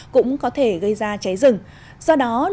cũng có thể gây ra cháy rừng